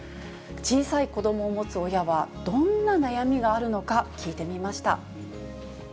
小さい子どもを持つ親はどんな悩みがあるのか、聞いてみました。